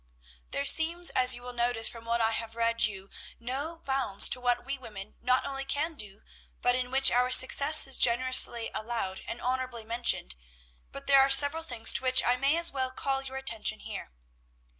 "There seems, as you will notice from what I have read you, no bounds to what we women not only can do, but in which our success is generously allowed and honorably mentioned; but there are several things to which I may as well call your attention here.